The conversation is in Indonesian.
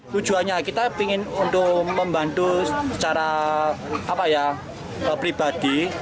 tujuannya kita ingin untuk membantu secara pribadi